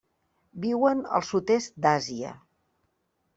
Viuen al sud-est d'Àsia.